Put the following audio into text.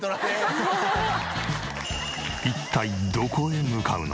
一体どこへ向かうのか？